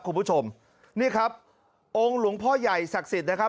คุณผู้ชมนี่ครับองค์หลวงพ่อใหญ่ศักดิ์สิทธิ์นะครับ